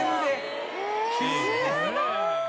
すごい。